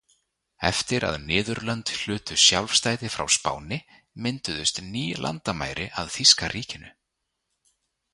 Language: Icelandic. Eftir að Niðurlönd hlutu sjálfstæði frá Spáni, mynduðust ný landamæri að þýska ríkinu.